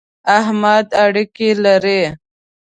احمد اړېکی لري.